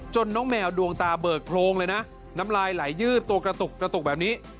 น้องแมวดวงตาเบิกโพรงเลยนะน้ำลายไหลยืดตัวกระตุกกระตุกแบบนี้